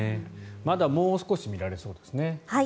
まだもう少し見られそうですね。